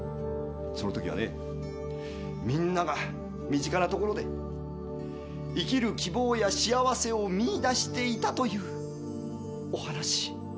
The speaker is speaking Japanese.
その時はね皆が身近なところで生きる希望や幸せを見出していたというお話。